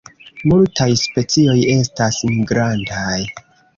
Multaj specioj estas migrantaj.